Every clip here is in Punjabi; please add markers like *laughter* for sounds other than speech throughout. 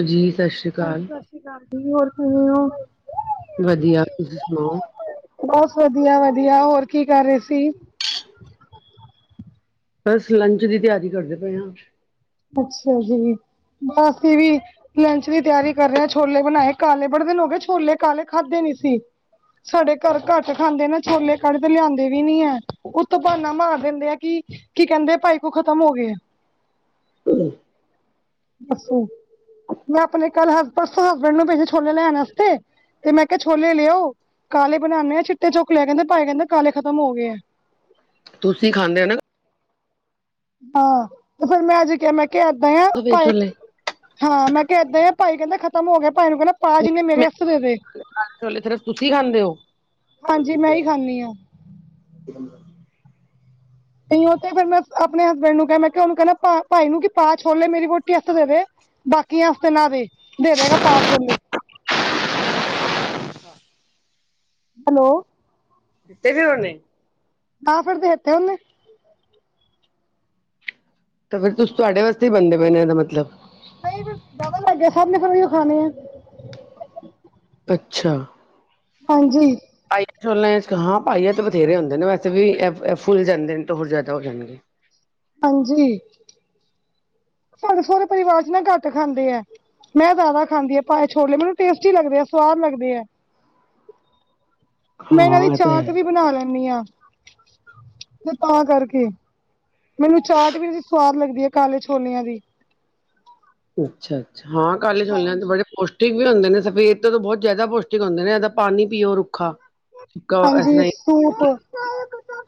ਜੀ ਸਤਿ ਸ਼੍ਰੀ ਅਕਾਲ ਸਤਿ ਸ੍ਰੀ ਅਕਾਲ ਜੀ ਹੋਰ ਕਿਵੇਂ ਹੋ ਵਧੀਆ ਤੁਸੀਂ ਸੁਣਾਓ ਬਸ ਵਧੀਆ- ਵਧੀਆ ਹੋਰ ਕੀ ਕਰ ਰਹੇ ਸੀ ਬਸ ਲੰਚ ਦੀ ਤਿਆਰੀ ਕਰਦੇ ਪਏ ਹਾਂ ਅੱਛਾ ਜੀ, ਬਸ ਅਸੀ ਵੀ ਲੰਚ ਦੀ ਤਿਆਰੀ ਕਰ ਰਹੇ ਛੋਲੇ ਬਣਾਏ ਕਾਲੇ ਬੜੇ ਦਿਨ ਹੋ ਗਏ ਛੋਲੇ ਕਾਲੇ ਖਾਧੇ ਨੀ ਸੀ ਸਾਡੇ ਘਰ ਘੱਟ ਖਾਂਦੇ ਨਾ ਛੋਲੇ ਕਾਲੇ ਤੇ ਲਿਆਂਦੇ ਵੀ ਨੀ ਹੈ ਉਤੇ ਬਾਨਾ ਮਾਰ ਦਿੰਦੇ ਆ ਕਿ ਕੀ ਕਹਿੰਦੇ ਭਾਈ ਕੋ ਖ਼ਤਮ ਹੋ ਗਏ ਦੱਸੋ, ਮੈਂ ਆਪਣੇ ਕੱਲ ਹ ਪਰਸੋਂ ਹਸਬੈਂਡ ਨੂੰ ਪੇਜਿਆ ਛੋਲੇ ਲੈਣ ਵਾਸਤੇ ਤੇ ਮੈਂ ਕਿਹਾ ਛੋਲੇ ਲਿਆਓ, ਕਾਲੇ ਛੋਲੇ ਬਣਾਉਂਦੇ ਆ ਚਿੱਟੇ ਚੁੱਕ ਲਿਆ ਕਹਿੰਦੇ ਭਾਈ ਕਹਿੰਦੇ ਕਾਲੇ ਖਤਮ ਹੋ ਗਏ ਆ ਤੁਸੀਂ ਖਾਂਦੇ ਹੋ ਨਾ ਹਾਂ, ਤੇ ਫਿਰ ਮੈਂ ਅੱਜ ਕਿਹਾ ਮੈਂ ਕਿਹਾ ਏਦਾਂ ਆ ਸਫੇਦ ਭਾਈ ਛੋਲੇ ਹਾਂ ਮੈਂ ਕਿਹਾ ਏਦਾ ਆ ਭਾਈ ਕਹਿੰਦਾ ਖਤਮ ਹੋ ਗਿਆ ਭਾਈ ਨੂੰ ਕਹਿਣਾ ਜਿੰਨੇ ਮੇਰੇ ਹੱਥ ਦੇਦੇ, ਕਾਲੇ ਛੋਲੇ ਸਿਰਫ ਤੁਸੀਂ ਖਾਂਦੇ ਹੋ ਹਾਂਜੀ ਮੈਂ ਹੀ ਖਾਂਦੀ ਹਾਂ ਹਾਂ ਤੇ ਉਹ ਤੇ ਫਿਰ ਮੈਂ ਆਪਣੇ ਹਸਬੈਂਡ ਨੂੰ ਕਿਹਾ ਮੈਂ ਕਿਹਾ ਉਹਨੂੰ ਕਹਿੰਦਾ ਭਾਈ ਨੂੰ ਕਿ ਪਾਅ ਛੋਲੇ ਮੇਰੀ ਵੋਟੀ ਵਾਸਤੇ ਦੇਵੇ ਬਾਕੀਆਂ ਵਸਤੇ ਨਾ ਦੇ, ਦੇ ਦੇਗਾ ਪਾਆ ਛੋਲੇ ਹੈਲੋ ਦੇ ਦਿਤੇੇ ਉਨੇ ਤਾਂ ਫਿਰ ਦੇ ਦਿਤੇ ਉਹਨੇ ਤਾਂ ਫਿਰ ਤੁਹਾਡੇ ਵਾਸਤੇ ਹੀ ਬਣਦੇ ਪਏ ਨੇ ਇਹਦਾ ਮਤਲਬ ਨਹੀਂ ਵੀ ਜ਼ਿਆਦਾ ਲੱਗ ਗਿਆ ਸਭ ਨੇ ਉਹੀ ਖਾਣੇ ਆ- ਅੱਛਾ ਹਾਂਜੀ ਪਾਈਆਂ ਛੋਲੇ ਹਾਂ ਪਾਈਆ ਤੇ ਬਥੇਰੇ ਹੁੰਦੇ ਨੇ ਵੈਸੇ ਵੀ ਫੁੱਲ ਜਾਂਦੇ ਨੇ ਤਾਂ ਹੋਰ ਜ਼ਿਆਦਾ ਹੋ ਜਾਣਗੇ ਹਾਂਜੀ ਪਰ ਸਹੁਰੇ ਪਰਿਵਾਰ ਚ ਨਾ ਘੱਟ ਖਾਂਦੇ ਆ ਮੈਂ ਜ਼ਿਆਦਾ ਖਾਂਦੀ ਆ ਪਾਏ ਛੋਲੇ ਮੈਨੂੰ ਟੇਸਟੀ ਲੱਗਦੇ ਆ ਸਵਾਦ ਲੱਗਦੇ ਆ ਮੈਂ ਇਹਨਾਂ ਹਾਂ ਦੀ ਇਹ ਤਾਂ ਹੈ ਚਾਟ ਵੀ ਬਣਾ ਲੈਦੀ ਹਾਂ, ਤੇ ਤਾਂ ਕਰਕੇ ਮੈਨੂੰ ਚਾਟ ਵੀ ਇਦੀ ਸਵਾਦ ਲੱਗਦੀ ਹੈ ਕਾਲੇ ਛੋਲਿਆਂ ਦੀ ਅੱਛਾ -ਅੱਛਾ, ਹਾਂ ਕਾਲੇ ਛੋਲਿਆਂ ਤੇ ਹਾਂਜੀ। ਬੜੇ ਪੋਸ ਪਸ਼ਟਿਕ ਵੀ ਹੁੰਦੇ ਨੇ ਸਫ਼ੇਦ ਤੋਂ ਬਹੁਤ ਜ਼ਿਆਦਾ ਪੌਸ਼ਟਿਕ ਹੁੰਦੇ ਨੇ ਇਹਦਾ ਪਾਣੀ ਪੀਓ ਰੁਖਾ ਹਾਂਜੀ ਸੂਟ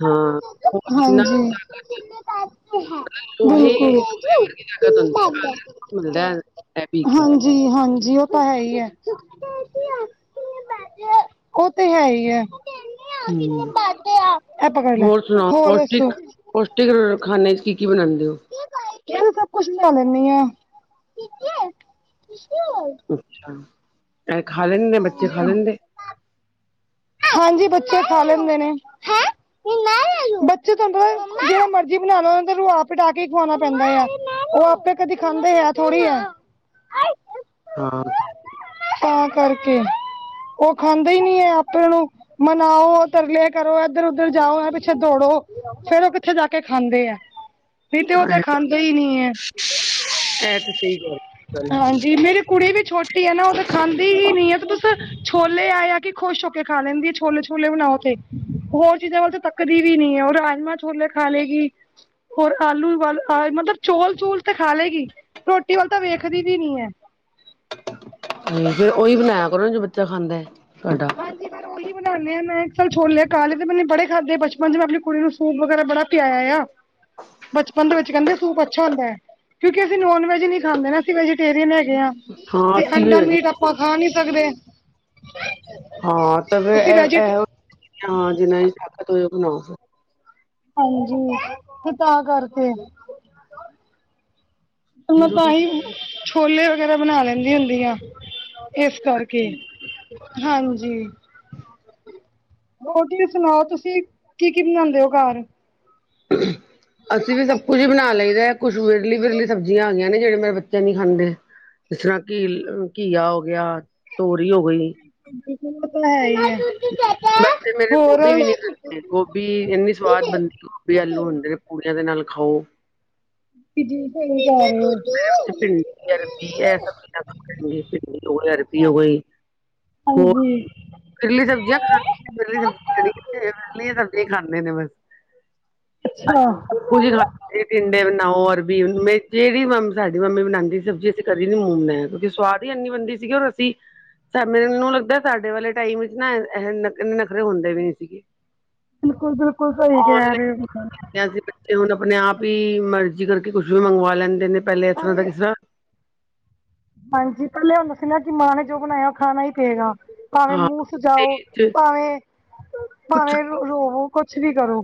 ਹਾਂ, ਜਿੰਨਾ ਧਾਗਾ ਇਹ ਤੇ ਹੈ ਬਿਲਕੁਲ ਤਾਕਤ ਹੁੰਦੀ ਹੈ ਆਇਰਨ ਮਿਲਦਾ ਐ ਪੀ ਕੇ ਹਾਂਜੀ ਜੀ ਹਾਂਜੀ ਉਹ ਤਾਂ ਹੈ ਹੀ ਹੈ, ਉਹ ਤੇ ਹੈ ਹੀ ਹੂੰ, ਹੋਰ ਸੁਣਾਓ ਹੋਰ ਦੱਸੋ ਪੌਸ਼ਟਿਕ ਮੈਂ ਪੌਸ਼ਟਿਕ ਖਾਣੇ ਚ ਕੀ -ਕੀ ਬਣਾਉਂਦੇ ਹੋ ਮੈ ਤੇ ਸਭ ਕੁਛ ਬਣਾ ਲੈਂਦੀ ਆ ਅੱਛਾ ਐ ਖਾ ਲੈਣ ਗਏ, ਬੱਚੇ ਖਾ ਲੈਂਦੇ। ਹਾਂਜੀ ਬੱਚੇ ਖਾ ਲੈਂਦੇ ਨੇ। ਬੱਚੇ ਤੁੁਆਨੂੰ ਪਤਾ ਜੇੜਾ ਮਰਜੀ ਬਣਾ ਲੋ, ਓਨੂੰ ਤੇ ਰਵਾ ਪਟਾ ਕੇ ਈ ਖਵਾਣਾ ਪੈਂਦਾ ਆ। ਓ ਆਪੇ ਕਦੀ ਖਾਂਦੇ ਹੈ ਥੋੜੀ ਐ। ਹਾਂ ਤੇ ਤਾਂ ਕਰਕੇ, ਓ ਖਾਂਦੇ ਈ ਨੀ ਐ ਆਪੇ ਨੂੰ। ਮਨਾਓ, ਤਰਲੇ ਕਰੋ, ਏਧਰ ਓਧਰ ਜਾਓ, ਏਨਾ ਪਿੱਛੇ ਦੌੜੋ। ਫੇਰ ਓ ਕਿੱਥੇ ਜਾ ਕੇ ਖਾਂਦੇ ਐ, ਨਈ ਤੇ ਓ ਤੇ ਖਾਂਦੇ ਈ ਨਈ ਏ। ਐ ਤੇ ਸਈ ਗੱਲ। ਹਾਂਜੀ ਮੇਰੇ ਕੁੜੀ ਵੀ ਛੋਟੀ ਐ ਨਾ ਓ ਤੈ ਖਾਂਦੀ ਈ ਨੀ ਆ, ਤੇ ਤੁਸ ਛੋਲੇ ਆਏ ਕੇ ਖੁਸ਼ ਕੇ ਖਾ ਲੈਂਦੀ ਛੋਲੇ ਛੋਲੇ ਬਣਾਓ ਤੇ, ਹੋਰ ਚੀਜ਼ਾਂ ਵੱਲ ਤੇ ਤੱਕਦੀ ਵੀ ਨੀ ਓ। ਰਾਜਮਾ ਛੋਲੇ ਖਾ ਲੇਗੀ। ਹੋਰ ਆਲੂ ਵ ਉਬਾਲੋ ਮਤਲਬ ਚੋਲ ਚੂਲ ਤੇ ਖਾ ਲੇਗੀ, ਰੋਟੀ ਵੱਲ ਤਾਂ ਵੇਖਦੀ ਵੀ ਨੀ ਐ। ਫੇਰ ਓਈ ਬਣਾਇਆ ਕਰੋ, ਜੋ ਬੱਚਾ ਖਾਂਦਾ ਏ ਤੁਆਡਾ। *unintelligible* ਦੀ ਬਨਾਉਂਣੇ ਆਂ ਮੈਂ, ਚਲ ਛੋਲੇ ਕਾਲੇ ਤੇ ਮੈਨੇ ਬੜੇ ਖਾਧੇ ਬਚਪਨ 'ਚ। ਮੈਂ ਆਪ ਕੁੜੀ ਨੂੰ ਸੂਪ ਵਗੈਰਾ ਬੜਾ ਪਿਆਇਆ ਆ। ਬਚਪਨ ਦੇ ਵਿੱਚ ਕੈਂਦੇ ਸੂਪ ਅੱਛਾ ਹੁੰਦਾ ਐ। ਕਿਉਂਕਿ ਅਸੀ ਨੋਨ ਵੈਜ ਨੀ ਖਾਂਦੇ ਨਾ, ਅਸੀ ਵੈਜੀਟੇਰੀਅਨ ਹੈਗੇ ਆਂ। ਹਾਂ ਤੇ ਅਸੀਂ ਵੀ ਠੰਡਾ ਹਜੇ ਮੀਟ ਆਪਾਂ ਖਾ ਨੀ ਸਕਦੇ। ਹਾਂ ਤੇ ਫੇਰ ਅਸੀਂ ਐ ਵੈਜੀ ਐਹੋ ਹਾਂ ਜਿਨਾ ਦੀ ਤਾਕਤ ਹੋਏ ਓ ਬਣਾਓ ਫੇਰ। ਹਾਂਜੀ ਤੇ ਤਾਂ ਕਰਕੇ। ਮੈਂ ਜ਼ੀਰੋ ਟੂ ਤਾਂਹੀ ਸਿਕਸ ਛੋਲੇ ਵਗੈਰਾ ਬਣਾ ਲੈਂਦੀ ਹੁੰਦੀ ਆ। ਏਸ ਕਰਕੇ, ਹਾਂਜੀ। ਹੋਰ ਤੁਈ ਸੁਣਾਓ ਤੁਸੀਂ ਕੀ ਕੀ ਬਣਾਾਦੇ ਓ ਘਾਰ। ਅਸੀਂ ਵੀ ਸਭ ਕੁਝ ਈ ਬਣਾ ਲਈਦਾ, ਕੁਛਏ ਵਿਰਲੀ ਵਿਰਲੀ ਸਬਜ਼ੀਆਂ ਆ ਗੀਆਂ ਨੇ ਜੜੇ ਮੇਰੇ ਬੱਚੇ ਨੀ ਖਾਂਦੇ। ਜਿਸਰ੍ਹਾਂ ਘੀ ਘੀਆ ਹੋ ਗਿਆ, ਤੋਰੀ ਹੋ ਗਈ। ਬਿਲਕੁਲ ਓ ਤੇ ਹੈ ਈ ਐ। ਬੱਚੇ ਮੇਰੇ ਗੋਭੀ ਵੀ ਨੀ ਖਾਂਦੇ, ਗੋਭੀ ਏਨੀ ਸਵਾਦ ਬਣਦੀ ਗੋਭੀ ਆਲੂ ਹੁੰਦੇ ਨੇ। ਹੁੁਣ ਏਦੇ ਨਾਲ ਖਾਓ। ਕੀ ਜੀ ਕਰੀ ਜਾਵੇ। ਮੇੇਰੇ ਬੱਚੇ ਭਿੰਡੀ, ਅਰਬੀ ਐ ਸਬਜ਼ੀਆਂ, ਭਿੰਡੀ ਹੋ ਗਈ, ਅਰਬੀ ਹੋ ਗਈ। ਹੋਰ ਹਾਂਜੀ। *unintelligible* ਅੱਛਾ। ਕੁਝ ਨੀ ਖਾਂਦੇ ਟਿੰਡੇ ਬਣਾਓ, ਅਰਬੀ ਮੈਂ ਜੇੜੀ ਮੰਗ ਸਾਡੀ ਮੰਮੀ ਬਣਾਂਦੀ ਸਬਜ਼ੀ ਅਸੀਂ ਕਦੀ ਨੀ ਮੂ ਬਣਾਇਆ, ਕਿਉਂਕਿ ਸਵਾਦ ਈ ਏਨੀ ਬਣਦੀ ਸੀ। ਔਰ ਅਸੀਂ ਅੱੱਛਾ ਮੈਨੂੂ ਲੱਗਦਾ ਸਾਡੇ ਵਾਲੇ ਟਾਈਮ ਵਿੱਚ ਨਾ ਐ ਐ ਨਖਰੇ ਹੁੰਦੇ ਵੀ ਨੀ ਸੀਗੇ। ਬਿਲਕੁਲ ਬਿਲਕੁਲ ਸਈ ਕੈ ਰੈ ਓ। ਅਜਕਲ ਦੇ ਬੱਚੇ ਹੁਣ ਆਪਣੇ ਆਪ ਈ, ਮਰਜ਼ੀ ਕਰਕੇ ਕੁੱਛ ਵੀ ਮੰਗਵਾ ਲੈਂਦੇ ਨੇ। ਪੈਲੇ ਏਸ ਤਰ੍ਹਾਂ ਦਾ ਕਿਸ ਤਰ੍ਹਾਂ ਹਾਂਜੀ ਪੈਲੇ ਹੁੰਦਾ ਸੀ ਨਾ ਕੀ ਮਾਂ ਨੇ ਜੋ ਬਣਾਇਆ ਓ ਖਾਣਾ ਈ ਪਏਗਾ। ਭਾਵੇਂ ਹਾਂ ਮੂੰਹ ਸਜਾਓ, ਤੇ ਭਾਵੇਂ ਕੁਛ ਭਾਵੇਂ ਰੋਵੋ, ਕੁਛ ਵੀ ਕਰੋ।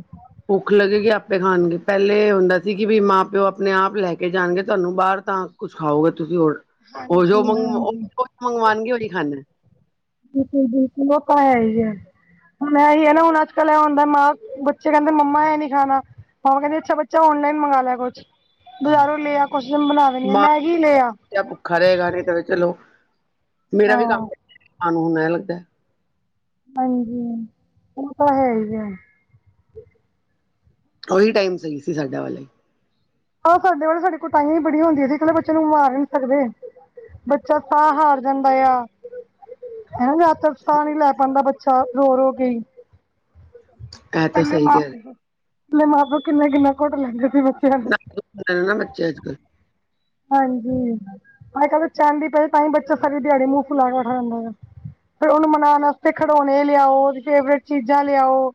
ਭੁੱਖ ਲੱਗੇਗੀ ਆਪੇ ਖਾਣਗੇ, ਪੈਲੇ ਏ ਹੁੰਦਾ ਸੀ ਕੀ ਵੀ ਮਾਂ ਪਿਓ ਆਪਣੇ ਆਪ ਲੈ ਕੇ ਜਾਣਗੇ। ਤੁਆਨੂੰ ਬਾਰ ਤਾਂ ਕੁਛ ਖਾਓਗੇ ਤੁਸੀਂ ਹੋਰ ਓ ਜੋ ਹਾਂਜੀ ਮੰਗ ਹਾਂਜੀ ਮੰਗਵਾਣਗੇ ਓਈ ਖਾਨਾ। ਬਿਲਕੁਲ-ਬਿਲਕੁਲ ਓਹ ਪਾਇਆ ਇ ਐ। ਹੁਨ ਇਹੀ ਹੈ ਨਾ ਹੁਨ ਅੱਜ-ਕੱਲ ਇਹ ਹੁੰਦਾ ਮਾਂ ਬੱਚੇ ਕਹਿੰਦੇ ਮੰਮਾ ਇਹ ਨੀ ਖਾਨਾ। ਮਾਵਾ ਕਹਿੰਦੀ ਅੱਛਾ ਬੱਚਾ ਔਨਲਾਈਨ ਮੰਗਾ ਲੈਅ ਕੁਛ ਬਾਜ਼ਾਰੋਂ ਲੈਅ ਆ ਕੁਛ ਤੇਨੂੰ ਬਣਾ ਦੇਨੀ ਆ ਮਾਂ ਮੈਗੀ ਲੈਅ ਆ। ਬੱਚਾ ਭੁੱਖਾ ਰਹੇਗਾ, ਨਈ ਤੇ ਫੇਰ ਚਲੋ ਮੇਰਾ ਵੀ ਹਾਂ ਕੰਮ, ਸਾਨੂੰ ਹੁਨ ਇਹ ਲੱਗਦਾ ਹਾਂਜੀ, ਉਹ ਤਾਂ ਹੈ ਈ ਅ। ਓਹੀ ਟਾਈਮ ਸਈ ਸੀ ਸਾਡਾ ਵਾਲੇ। ਹਾਂ ਸਾਡੇ ਵਾਲੇ ਸਾਡੀ ਕੁਟਾਈਯਾਂ ਇ ਬੜੀ ਹੁੰਦੀਆਂ ਸੀ ਅੱਜ ਕਲੇ ਬੱਚੇ ਨੂੰ ਮਾਰ ਈ ਨੀ ਸਕਦੇ। ਬੱਚਾ ਸਾਹ ਹਾਰ ਜਾਂਦਾ ਯਾ, ਹਨਾ ਜਾ ਫੇਰ ਸਾਹ ਨੀ ਲੈ ਪਾਂਦਾ ਬੱਚਾ ਰੋ-ਰੋ-ਕੇ ਈ। ਇਹ ਤਾਂ ਪਲੇ ਸਹੀ ਮਾਂ, ਕਹਿ ਪਹਲੇ ਮਾਂ ਪਿਓ ਕਿੰਨਾ-ਕਿੰਨਾ ਕੁਟ ਲੈਂਦੇ ਸੀ ਬੱਚਿਆਂ ਨੂੰ। ਮਿਲ ਨਾ ਬੱਚੇ ਅੱਜ- ਕੱਲ੍ਹ ਹਾਂਜੀ, ਅੱਜ ਕੱਲ੍ਹ ਤੇ ਚਾਲਦੀ ਪਏ ਤਾਂ ਹੀ ਬੱਚਾ ਸਾਰੀ ਦਿਹਾੜੀ ਮੂੰਹ ਫੁਲਾ ਕੇ ਬੈਠਾ ਰੇਂਦਾ ਜੈ। ਫੇਰ ਉਹਨੂੰ ਮਨਾਉਣ ਵਸਤੇ ਖੜੌਣੇ ਲਿਆਓ ਓਦੀ ਫੇਵਰੇਟ ਚੀਜ਼ਾਂ ਲਿਆਓ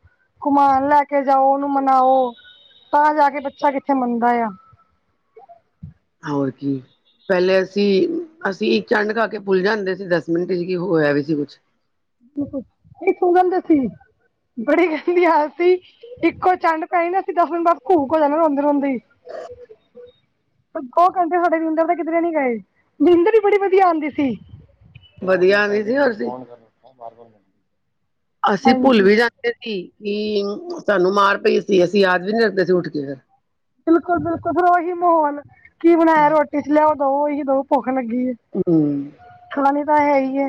ਘੁਮਾਨ ਲੈ ਕੇ ਜਾਓ ਉਹਨੂੰ ਮਨਾਓ ਤਾਂ ਜਾ ਕੇ ਬੱਚਾ ਕਿੱਥੇ ਮੰਨਦਾ ਯਾਂ। ਹੋਰ ਕੀ। ਪਹਿਲੇ ਅਸੀਂ, ਅਸੀਂ ਇੱਕ ਚੰਡ ਖਾ ਕੇ ਭੁੱਲ ਜਾਂਦੇ ਸੀ ਦਸ ਮਿੰਟ ਚ ਕੀ ਹੋਇਆ ਵੀ ਸੀ ਕੁਛ। ਬਿਲਕੁਲ, ਅਸੀ ਸੋ ਜਾਂਦੇ ਸੀ ਬੜੀ ਗੰਦੀ ਆਦਤ ਸੀ ਇੱਕੋ ਚੰਡ ਪੈਨੀ ਨ ਅਸੀਂ ਦਸ ਮਿੰਟ ਬਾਦ ਕੂਕ ਹੋ ਜਾਣਾ ਰੋਂਦੇ- ਰੋਂਦੇ ਈ। ਦੋ ਘੰਟੇ ਸਾਡੇ ਨੀਂਦਰ ਦੇ ਕਿਧਰੇ ਨੀ ਗਏ ਰਿੰਦਰ ਵੀ ਬੜੀ ਵਧੀਆ ਆਂਦੀ ਸੀ। ਵਧੀਆ ਆਂਦੀ ਸੀ ਨਾ ਅਸੀਂ, ਅਸੀ ਭੁੱਲ ਹਾਂਜੀ ਵੀ ਜਾਦੇ ਪਤਾ ਕਿ ਕੀ ਸਾਨੂੰ ਮਾਰ ਪਈ ਸੀ ਅਸੀਂ ਯਾਦ ਵੀ ਨੀ ਰੱਖਦੇ ਸੀ ਉੱਠ ਕੇ ਫੇਰ। ਬਿਲਕੁਲ-ਬਿਲਕੁਲ ਫਿਰ ਓਹੀ ਮਾਹੌਲ ਕੀ ਬਣਾਇਆ ਰੋਟੀ ਚ ਲਿਆਓ ਦੋ ਉਹੀ ਦੋ ਭੁੱਖ ਲੱਗੀ ਏ। ਹੂੰ। ਛੁਡਾਨੀ ਤਾਂ ਹੈ ਹੀ ਐ,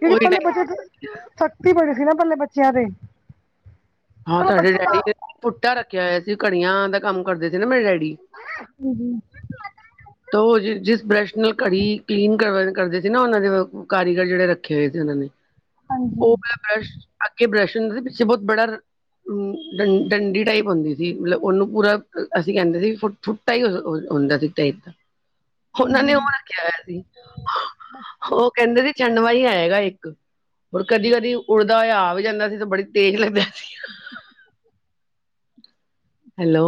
ਜੇੜੀ ਉਹੀ ਪਹਲੇ ਟਾਈਮ ਬੱਚਤ ਸਖਤੀ ਬੜੀ ਸੀ ਨਾ ਪਲੇ ਬੱਚਿਆਂ ਤੇ ਹਾਂ ਪਹਿਲੇ ਸਾਡੇ ਬੱਚੇ ਤਾਂ ਡੈਡੀ ਨੇ ਪੁੱਟਾ ਰੱਖਿਆ ਹੋਇਆ ਸੀ ਘੜੀਆਂ ਦਾ ਕੰਮ ਕਰਦੇ ਸੀ ਨਾ ਮੇਰੇ ਡੈਡੀ। ਹੂੰ, ਹੂੰ। ਤਾਂ ਉਹ ਜਿਸ ਬਰੱਸ਼ ਨਾਲ ਘੜੀ ਕਲੀਨ ਕਰ ਕਰਦੇ ਸੀ ਨਾ ਉਹਨਾਂ ਦੇ ਕਾਰੀਗਰ ਜਿਹੜੇ ਰੱਖ ਰੱਖੇ ਹੋਏ ਸੀ ਉਹਨਾਂ ਨੇ ਹਾਂਜੀ ਓਹ ਬਰੱਸ਼ ਅੱਗੇ ਬਰੱਸ਼ਨਾਂ ਦੇ ਪਿੱਛੇ ਬਹੁਤ ਬੜਾ- ਡੰ ਡੰਡੀ ਟਾਈਪ ਹੁੰਦੀ ਸੀ ਮਤਲਬ ਉਹਨੂੰ ਪੂਰਾ ਅਸੀਂ ਕਹਿੰਦੇ ਸੀ ਫੁੱਟ- ਫੁੱਟਾ ਹੀ ਹੁੰਦਾ ਸੀ ਟਾਈਪ ਦਾ ਉਹਨਾਂ ਨੇ ਉਹ ਰੱਖਿਆ ਹੋਇਆ ਸੀ ਉਹ ਕਹਿੰਦੇ ਸੀ ਚੰਡਵਾ ਹੀ ਹੈਗਾ ਇੱਕ ਹੋਰ ਕਦੀ-ਕਦੀ ਉੱਡਦਾ ਹੋਇਆ ਆ ਵੀ ਜਾਂਦਾ ਸੀ ਤਾਂ ਬੜੀ ਤੇਜ਼ ਲੱਗਦਾ ਸੀ ਹੈਲੋ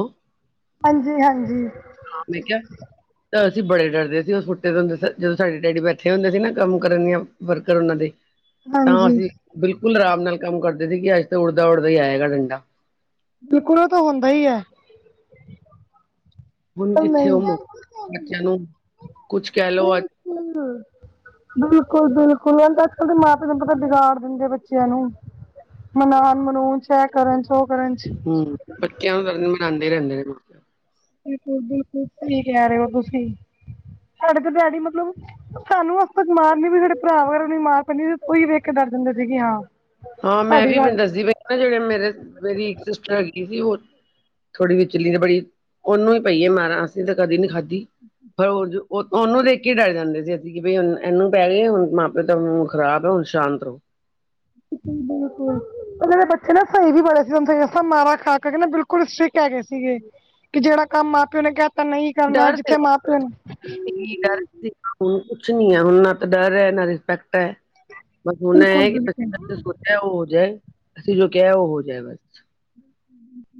ਹਾਂਜੀ-ਹਾਂਜੀ। ਹੈ ਮੈਂ ਕਆ। ਤਾਂ ਅਸੀਂ ਬੜੇ ਡਰਦੇ ਸੀ ਉਸ ਫੁੱਟੇ ਤੋ, ਜਦੋਂ ਸਾਡੇ ਡੈਡੀ ਬੈਠੇ ਹੁੰਦੇ ਸੀ ਨਾ ਕੰਮ ਕਰਨ ਯਾ ਵਰਕਰ ਉਹਨਾਂ ਦੇ ਤਾਂ ਹਾਂਜੀ ਅਸੀਂ ਬਿਲਕੁਲ ਆਰਾਮ ਨਾਲ ਕੰਮ ਕਰਦੇ ਸੀ ਕਿ ਅੱਜ ਤਾਂ ਉੱਡਦਾ- ਉੱਡਦਾ ਹੀ ਆਏਗਾ ਡੰਡਾ ਬਿਲਕੁਲ ਉਹ ਤਾਂ ਹੁੰਦਾ ਹੀ ਅ। ਹੁਨ ਪਰ ਕਿੱਥੇ ਨਹੀਂ ਓਹ ਮੋਹ ਬੱਚਿਆਂ ਨੂੰ ਕੁਛ ਕਹਿ ਲਓ ਅੱਜ ਹੂੰ - ਹ। ਬਿਲਕੁਲ-ਬਿਲਕੁਲ ਅੱਜ- ਕੱਲ ਦੇ ਮਾਂ ਪਿਓ ਨੂੰ ਪਤਾ ਬਗਾੜ ਦਿੰਦੇ ਬੱਚਿਆਂ ਨੂੰ ਮਨਾਨ ਮਨੂਉਣ ਚ ਇਹ ਕਰਨ ਚ ਉਹ ਕਰਨ ਚ *unintelligible* ਬਨਾਂਦੇ ਰੈਂਦੇ ਨੇ। ਬਿਲਕੁਲ-ਬਿਲਕੁਲ ਸਈ ਕੈ ਰੇਓ ਤੁਸੀ, ਸਾਡੇ ਤੇ ਡੈਡੀ ਮਤਲਬ ਸਾਨੂੰ ਅੱਜ ਤੱਕ ਮਾ ਨੀਂ ਪਈ, ਸਾਡੇ ਭਰਾ ਵਗੈਰਾ ਨੂੰ ਈਂ ਮਾਰ ਪੈਂਦੀ ਸੀ ਅਸੀ ਓਈ ਵੇਖ ਕੇ ਡਰ ਜਾਂਦੇ ਸੀ ਕਿ, ਹਾਂ ਹਾਂ ਮੈਂ ਸਾਡੀ ਵੀ ਗੱਲ ਦੱਸਦੀ ਪਈ ਜੇੜੇ ਮੇਰੇ ਮੇਰੀ ਇੱਕ ਸਿਸਟਰ ਹੈਗੀ ਹੋ ਥੋੜੀ ਵਿਚਲੀ ਬੜੀ ਓਨੂੰ ਈ ਪਈਏ ਮਾਰਾਂ ਅਸੀ ਤਾਂ ਕਦੇ ਨੀ ਖਾਦੀ। ਦੀ ਫੇਰ ਹੋਰ ਜੋ ਓ ਓਨੂੰ ਦੇਖ ਕੇ ਡਰ ਜਾਂਦੇ ਸੀ ਅਸੀ, ਕਿ ਬਈ ਏਨੂੰ ਪੈ ਗਈਏ ਹੁਣ, ਮਾਂ-ਪਿਓ ਮੂੰੜ ਖਰਾਬਏ ਹੁਨ ਸ਼ਾਂਤ ਰਵੋ। ਬਿਲਕੁ-ਬਿਲਕੁਲ। ਓਦੇ ਬੱਚੇ ਨਾ ਸਈ ਵੀ ਬੜੇ ਸੀਗੇ ਸਬ ਮਾਰਾ ਖਾ ਕੇ ਬਿਲਕੁਲ ਸਟਿਕਕ ਹੈਗੇ ਸੀਗੇ। ਕਿ ਜੇੜਾ ਕੰਮ ਮਾਂ-ਪਿਓ ਨੇ ਕੈ ਤਾ ਨਈ ਕਰਨਾ, ਡਰ ਜਿੱਥੇ ਸੀਗਾ ਮਾਂ-ਪਿਓ ਨੇ ਡਰ ਸੀਗਾ ਹੁਣ, ਕੁਛ ਨੀਐ ਹੁਣ ਨਾ ਤਾਂ ਡਰ ਐ ਨਾ, ਰਿਸਪੈਕਟ। ਬਸ ਓਨਾ ਬਿਲਕੁਲ ਐ ਬਿਲਕੁਲ ਕਿਸੀ ਸੋਚਿਆ ਓ ਹੋ ਜਾਏ ਅਸੀ ਜੋ ਕੇਆ ਓ ਹੋ ਜਾਏ, ਬਸ।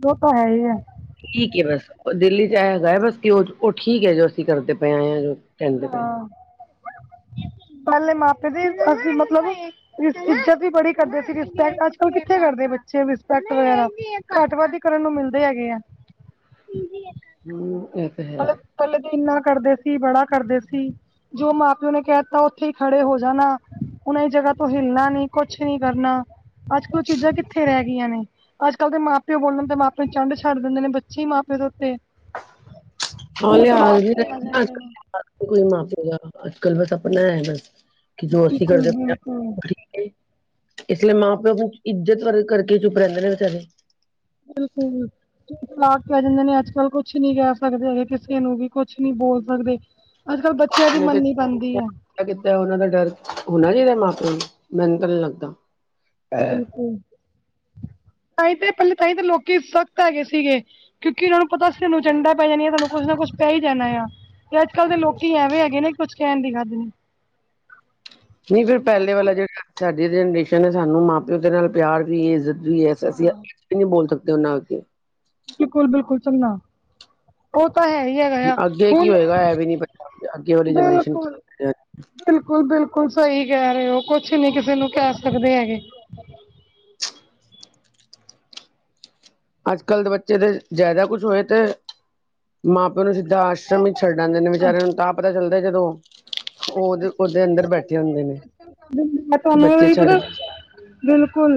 ਓ ਤਾ ਹੈ ਈਐ। ਠੀਕ ਐ ਬਸ, ਓ ਦਿੱਲੀ ਚ ਆਯਾ ਹੈਗਾ ਹੈ ਬਸ, ਕਿ ਓ ਓ ਠੀਕੈ ਜੋ ਅਸੀ ਕਰਦੇ ਪਏ ਆ ਯਾਂ ਜੋ। ਕਹਿੰਦੇ ਪਏ ਹਾਂ, ਪੈਲੇ ਮਾ-ਪਿਓ ਦੇ ਅਸੀ ਮਤਲਬ ਇੱਜਤ ਵੀ ਬੜੀ ਕਰਦੇ ਸੀ, ਰਿਸਪੈਕਟ ਅੱਜ-ਕੱਲ ਕਿੱਥੇ ਕਰਦੇ ਬੱਚੇ ਰਿਸਪੈਕਟ ਵਗੈਰਾ। ਘੱਟ-ਵੱਦ ਈ ਕਰਨ ਨੂੰ ਮਿਲਦੇ ਹੈਗੇ ਆ। ਹੂੰ, ਐ ਤਾਂ ਹੈ। ਪੈਲੇ ਤੋਂ ਏਨਾ ਕਰਦੇ ਸੀ, ਬੜਾ ਕਰਦੇ ਸੀ। ਜੋ ਮਾਂ-ਪਿਓ ਨੇ ਕੈਹਤਾ ਓਥੇ ਈ ਖੜੇ ਹੋ ਜਾਣਾ। ਹੁਣ ਐ ਜਗ੍ਹਾ ਤੋਂ ਹਿੱਲਨਾ ਨੀ, ਕੁਛ ਨੀ ਕਰਨਾ। ਅੱਜ-ਕੱਲ ਓ ਚੀਜਾਂ ਕਿੱਥੇ ਰੈ ਗਿਆਂ ਨੇ ਅੱਜ ਕੱਲ੍ਹ ਦੇ ਮਾਂ-ਪਿਓ ਬੋਲਣ ਤੇ ਮਾਂ ਪਿਓ ਤੇ ਚੰਡ ਛੱਡ ਦਿੰਦੇ ਨੇ ਬੱਚੇ ਹੀ, ਮਾਂ ਪਿਓ ਦੇ ਉੱਤੇ। *inaudible* ਹਾਂ ਤੂੰ ਲਿਆਜ ਤੜਾਕ ਵੀ ਤੇ ਆ ਨੀਂ ਨਾਂ ਜਾਂਦੇ ਨੇ ਕੋਈ ਮਾ-ਪਿਓ ਦਾ, ਅੱਜ-ਕੱਲ ਬਸ ਆਪਨੈ ਹੈਗੈ ਕਿ ਜੋ ਅਸੀਂ ਬਿਲਕੁਲ ਕਰਦੇ ਪਏ ਬਿਲਕੁਲ ਆਂ ਇਸ ਲਈ ਮਾਂ-ਪਿਓ ਇੱਜਤ ਵਰ ਕਰਕੇ ਚੁੱਪ ਰੈਂਦੇ ਨੇ ਵਿਚਾਰੇ। ਬਿਲਕੁਲ। ਤਲਾਕ ਪੈ ਜਾਂਦੇ ਨੇ ਅੱਜ-ਕੱਲ ਕੁਛ ਨੀ ਕੈਹ ਸਕਦੇ ਕਿਸੇ ਨੂੰ ਵੀ ਕੁਛ ਨੀ ਬੋਲ ਸਕਦੇ। ਅੱਜ-ਕੱਲ ਬੱਚੇਆਂ ਦੀ ਮੰਨਨੀ ਪੈਂਦੀਐ। ਕੀਤਾ ਓਨਾਂ ਦਾ ਡਰ ਹੋਣਾ ਚਾਈਦਾ ਮਾਂ-ਪਿਓ ਨੂੰ ਮੈਨੂੰ ਤਾਂ ਨਈਂ ਲੱਗਦਾ। ਬਿਲਕੁਲ, ਤਾਂਈ ਤਾਂ ਪੈਲੇ ਤਾਂਈਂ ਤਾਂ ਲੋਕੀ ਸਖਤ ਹੈਗੇ ਸੀਗੇ। ਕਿਉਂਕਿ ਓਨਾ ਨੂੰ ਪਤਾ ਸੀ ਸਾਨੂੰ ਚੰਡਾ ਪੈ ਜਾਣਾੀਆਂ, ਸਾਨੂੰ ਕੁੱਛ ਨਾ ਕੁਛ ਪੈ ਈ ਜਾਣਾ। ਤੇ ਅੱਜ-ਕੱਲ ਦੇ ਲੋਕੀ ਐਵੇਂ ਹੈਗੇ ਨੇ ਕਿ ਕੁਛ ਕੈਣ ਦੀ ਹੱਦ ਨੀਂ। ਨਈਂ ਫੇਰ ਪੈਲੇ ਵਾਲਾ ਜੇੜਾ ਸਾਡੀ ਜਨਰੇਸ਼ਨ ਐ, ਸਾਨੂੰ ਮਾਂ-ਪਿਓ ਦੇ ਨਾਲ ਪਿਆਰ ਵੀ ਏ ਇੱਜ਼ਤ ਜੀ ਐ ਅਸੀ ਵੀ ਨੀ ਬੋਲ ਸਕਦੇ ਓਨਾਂ ਅੱਗੇ। ਬਿਲਕੁਲ-ਬਿਲਕੁਲ, ਸੁਣਨਾ ਓ ਤਾਂ ਹੈਈ ਗਿਆ ਯਾ ਅੱਗੇ ਕੀ ਹੁਣ, ਹੋਏਗਾ ਇਹ ਵੀ ਨੀ ਪਤਾ ਅੱਗੇ ਵਾਲੀ ਜਨਰੇਸ਼ਨ ਬਿਲਕੁਲ-ਬਿਲਕੁਲ ਕੀ ਬਿਲਕੁਲ-ਬਿਲਕੁਲ ਸਈ ਕੈ ਰੇਓ, ਕੁਛ ਨੀ ਕਿਸੇ ਨੂੰ ਕਹਿ ਸਕਦੇ ਹੈਗੇ। ਅੱਜ-ਕੱਲ ਦੇ ਬੱਚੇ ਦੇ ਜਾਦਾ ਕੁਛ ਹੋਏ ਤੇ ਮਾਂ-ਪਿਓ ਨੂੰ ਸਿੱਧਾ ਆਸ਼ਰਮ ਈ ਛੱਡ ਆਂਦੇ ਨੇ, ਵਿਚਾਰਿਆਂ ਨੂੰ ਤਾਂ ਪਤਾ ਚੱਲਦਾ ਜਦੋਂ ਓ ਓਦੇ ਓਦੇ ਅੰਦਰ ਬੈਠੇ ਹੁੰਦੇ ਨੇ, ਮੈਂ ਕਿ ਤੁਹਾਨੂੰ ਬੱਚੇ ਵੀ ਛੱਡ ਪਤਾ ਬਿਲਕੁਲ।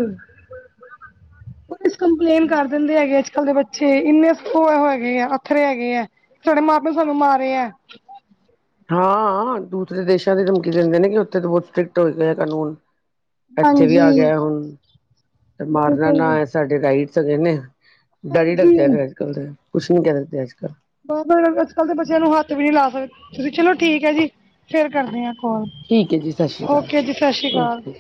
ਪੁਲਿਸ ਕੰਪਲੇਂਨ ਕਰ ਦਿੰਦੇ ਹੈਗੇ ਅੱਜ-ਕੱਲ ਦੇ ਬੱਚੇ, ਇੰਨੇ ਹੈਗੇ ਆ ਅਥਰੇ ਹੈਗੇਆ। ਸਾਡੇ ਮਾਂ-ਪਿਓ ਸਾਨੂੰ ਮਾਰੇਯਾ। ਹਾਂ, ਦੂਸਰੇ ਦੇਸ਼ਾਂ ਦੀ ਧਮਕੀ ਦਿੰਦੇ ਨੇ ਕਿ ਉੱਥੇ ਤਾਂ ਬੋਤ ਸਟ੍ਰਿਕਟ ਹੋਏ ਗਏ ਕਾਨੂੰਨ। ਤੇ ਐਥੇ ਵੀ ਆ ਗੇਆ ਹੁਨ ਤੇ ਮਾਰਨਾ ਨਾ ਐ ਸਾਡ ਰਾਈਟਸ ਹੈਗੇ ਨੇ। ਡਰ ਈ ਲਗਦਾ ਐ ਫੇਰ ਅੱਜ ਕੱਲ ਤੇ, ਕੁਛ ਨੀ ਕੈ ਸਕਦੇ ਅੱਜ ਕੱਲ। ਬ ਅੱਜ ਕੱਲ ਤੇ ਬੱਚੇਆਂ ਨੂੰ ਹੱਥ ਵੀ ਨੀ ਲਾ ਸਕਦੇ ਤੁਸੀ। ਚਲੋ ਠੀਕ ਐ ਜੀ ਫੇਰ ਕਰਦੇ ਆਂ। ਠੀਕ ਹੈ ਜੀ ਸਤਿ ਸ਼੍ਰੀ ਅਕਾਲ ਓਕੇ ਜੀ ਸਤਿ ਸ਼੍ਰੀ ਓਕੇ ਅਕਾਲ।